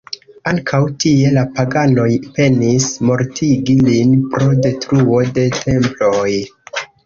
Ankaŭ tie la paganoj penis mortigi lin pro detruo de temploj.